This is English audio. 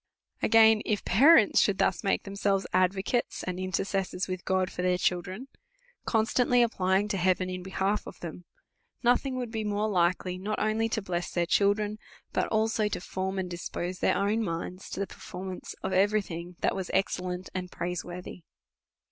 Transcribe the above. Again ; If parents should thus make themselves ad vocates and intercessors with God for their children, constantly applying to heaven in behalf of them, no thing would be more likely, not only to bless their children, but also to form and dispose their own minds to the performance of every thing that was excellent and praiseworthy.